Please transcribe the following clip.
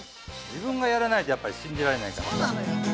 自分がやらないとやっぱり信じられないから。